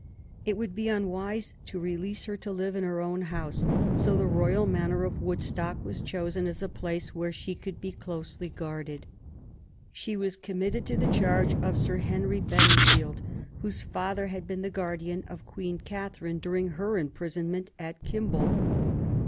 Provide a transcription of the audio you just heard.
It would be unwise to release her to live in her o>vn house ; so the royal manor of Woodstock was chosen as a place where she could be closely guarded. She was committed to the charge of Sir Henry Beding field, whose father had been the guardian of Queen Catherine during her imprisonment at Kimbolton.